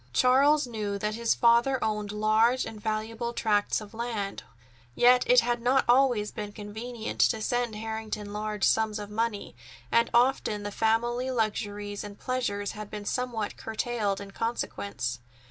Charles knew that his father owned large and valuable tracts of land, and was well off; yet it had not always been convenient to send Harrington large sums of money, and often the family luxuries and pleasures had been somewhat curtailed in consequence.